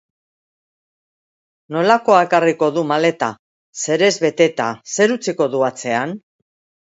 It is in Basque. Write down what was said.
Nolakoa ekarriko du maleta, zerez beteta, zer utziko du atzean?